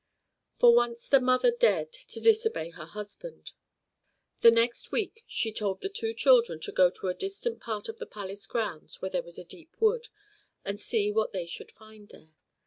For once the mother dared to disobey her husband. The next week she told the two children to go to a distant part of the palace grounds where there was a deep wood, and see what they should find there.